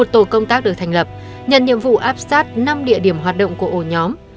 một tổ công tác được thành lập nhận nhiệm vụ áp sát năm địa điểm hoạt động của ổ nhóm